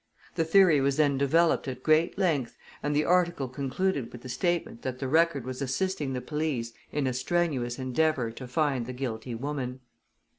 The theory was then developed at great length and the article concluded with the statement that the Record was assisting the police in a strenuous endeavor to find the guilty woman.